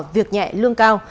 việc nhẹ lương cao